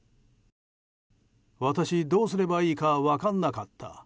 私どうすればいいか分からなかった。